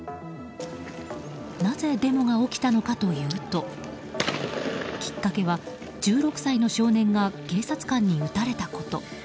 なぜ、デモが起きたのかというときっかけは１６歳の少年が警察官に撃たれたこと。